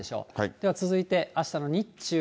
では続いて、あしたの日中。